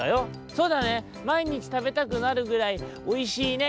「そうだねまいにちたべたくなるぐらいおいしいね！」。